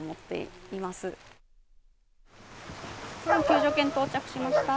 救助犬、到着しました。